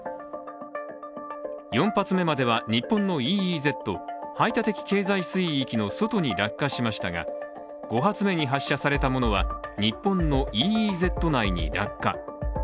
４発目までは、日本のＥＥＺ＝排他的経済水域の外に落下しましたが、５発目に発射されたものは日本のＥＥＺ内に落下。